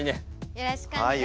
よろしくお願いします。